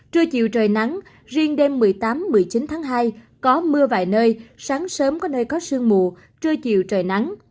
trưa chiều trời nắng riêng đêm một mươi tám một mươi chín tháng hai có mưa vài nơi sáng sớm có nơi có sương mù trưa chiều trời nắng